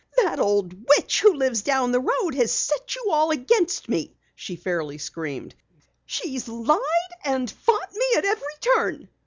"That old witch who lives down the road has set you all against me!" she fairly screamed. "She's lied and fought me at every turn!"